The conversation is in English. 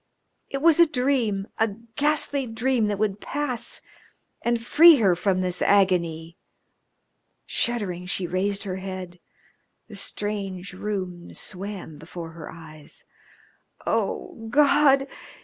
It was a dream, a ghastly dream that would pass and free her from this agony. Shuddering, she raised her head. The strange room swam before her eyes. Oh, God!